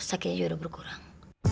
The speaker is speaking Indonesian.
sakitnya juga udah berkurang